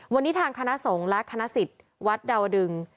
วันนี้ทางคณะสงฆ์และคณะสิทธิ์วัดดาวดึง